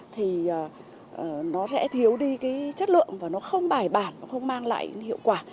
thì nó sẽ thiếu đi cái chất lượng và nó không bài bản nó không mang lại hiệu quả